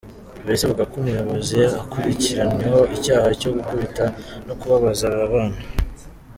Police ivuga ko uyu muyobozi akurikiranyweho icyaha cyo gukubita no kubabaza aba bana.